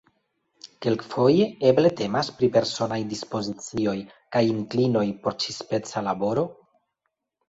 Kelkfoje eble temas pri personaj dispozicioj kaj inklinoj por ĉi-speca laboro?